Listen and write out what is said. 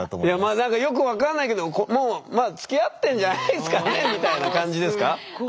よく分からないけどもうまあつきあってんじゃないすかねみたいな感じですか？